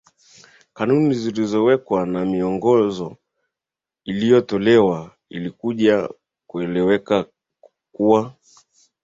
kanuni zilizowekwa na miongozo iliyotolewa ilikuja kueleweka kuwa